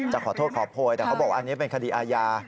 จะขอโทษขอโพยแต่เขาบอกอันนี้เป็นคดีอาญา